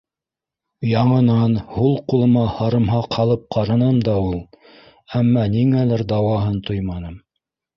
Яңынан һул ҡулыма һарымһаҡ һалып ҡараным да ул, әммә ниңәлер дауаһын тойманым.